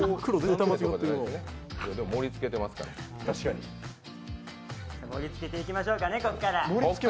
盛りつけていきましょうかね、ここから。